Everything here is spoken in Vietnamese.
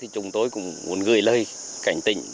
chúng tôi cũng muốn gửi lời cảnh tình